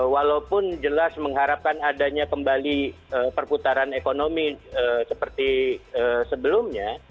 walaupun jelas mengharapkan adanya kembali perputaran ekonomi seperti sebelumnya